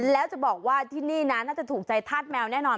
แล้วจะบอกว่าที่นี่นะน่าจะถูกใจธาตุแมวแน่นอน